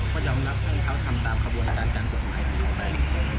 ก็ยอมรับเขาทำตามขบวนการการกดไหนต่อไป